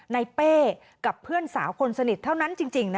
เป้กับเพื่อนสาวคนสนิทเท่านั้นจริง